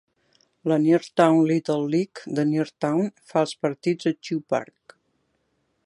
La Neartown Little Leage de Neartown fa els partits a Chew Park.